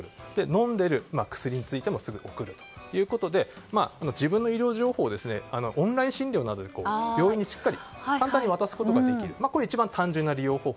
飲んでいる薬についてもすぐ送るということで自分の医療情報をオンライン診療などで病院に簡単に渡すことができると。